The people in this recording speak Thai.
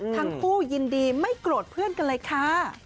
ทั้งคู่ยินดีไม่โกรธเพื่อนกันเลยค่ะ